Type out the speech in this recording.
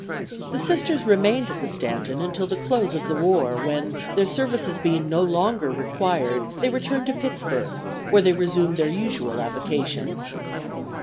The Sisters remained at the Stanton until the close of the war, when, their services being no longer required, they returned to Pittsburg, where they resumed their usual avocations.